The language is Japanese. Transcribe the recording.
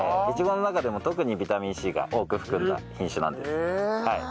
イチゴの中でも特にビタミンＣが多く含んだ品種なんです。